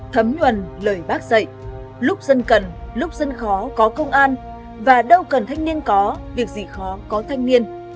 thấm nhuần lời bác dạy lúc dân cần lúc dân khó có công an và đâu cần thanh niên có việc gì khó có thanh niên